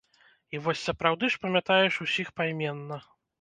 І вось сапраўды ж памятаеш усіх пайменна.